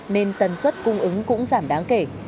nên tần suất cung ứng cũng giảm đáng kể